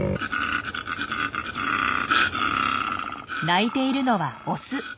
鳴いているのはオス。